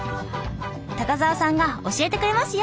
高沢さんが教えてくれますよ。